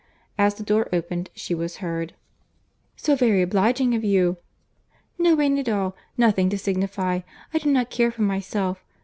As the door opened she was heard, "So very obliging of you!—No rain at all. Nothing to signify. I do not care for myself.